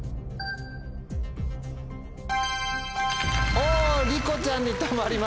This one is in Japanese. おりこちゃんに止まりました。